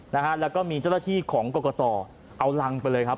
นะฮะแล้วก็มีเจ้าหน้าที่ของกรกตเอารังไปเลยครับ